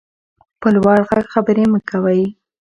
په لوړ غږ خبرې مه کوئ.